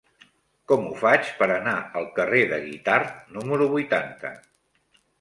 Com ho faig per anar al carrer de Guitard número vuitanta?